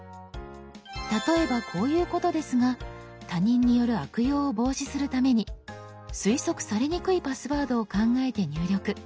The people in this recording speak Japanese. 例えばこういうことですが他人による悪用を防止するために推測されにくいパスワードを考えて入力。